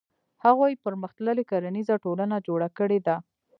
هغوی پرمختللې کرنیزه ټولنه جوړه کړې ده.